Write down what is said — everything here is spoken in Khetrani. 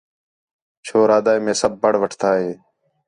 چھور آہدا ہِے مے سب پڑھ رٹھٹا ہِے